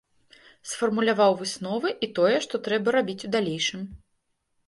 Сфармуляваў высновы і тое, што трэба рабіць у далейшым.